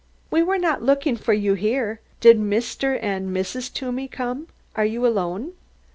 "We were not looking for you here. Did Mr. and Mrs. Toomey come? Are you alone?"